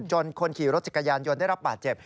คนขี่รถจักรยานยนต์ได้รับบาดเจ็บ